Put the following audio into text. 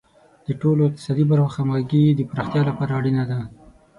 د ټولو اقتصادي برخو همغږي د پراختیا لپاره اړینه ده.